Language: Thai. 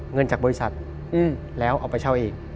เงินจากบริษัทแล้วเอาไปเช่าเอง